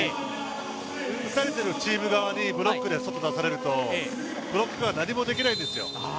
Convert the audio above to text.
打たれているチーム側にブロックで外に出されるとブロック側は何もできないんですよ。